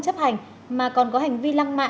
chấp hành mà còn có hành vi lăng mạ